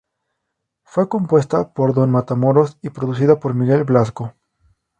Fue compuesta por Don Matamoros y producida por Miguel Blasco.